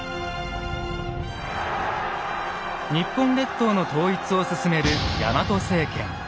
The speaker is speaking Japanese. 日本列島の統一を進めるヤマト政権。